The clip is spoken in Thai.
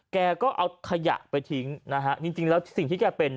แกก็เอาขยะไปทิ้งนะฮะจริงแล้วสิ่งที่แกเป็น